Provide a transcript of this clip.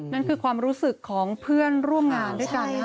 นั่นคือความรู้สึกของเพื่อนร่วมงานด้วยกัน